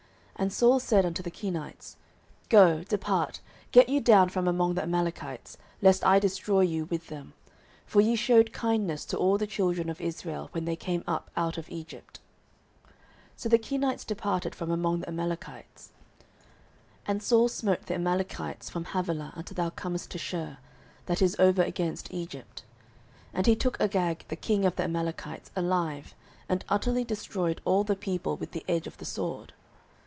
09:015:006 And Saul said unto the Kenites, Go, depart, get you down from among the Amalekites, lest I destroy you with them: for ye shewed kindness to all the children of Israel, when they came up out of Egypt. So the Kenites departed from among the Amalekites. 09:015:007 And Saul smote the Amalekites from Havilah until thou comest to Shur, that is over against Egypt. 09:015:008 And he took Agag the king of the Amalekites alive, and utterly destroyed all the people with the edge of the sword.